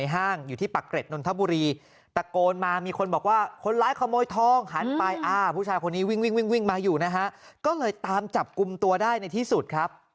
หันไปอ่าผู้ชายคนนี้วิ่งมาอยู่นะฮะก็เลยตามจับกุมตัวได้ในที่สุดครับ